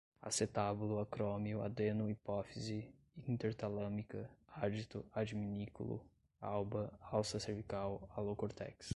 acetábulo, acrômio, adeno-hipófise, intertalâmica, ádito, adminículo, alba, alça cervical, alocórtex